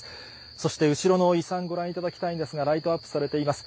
そして後ろの遺産、ご覧いただきたいんですが、ライトアップされています。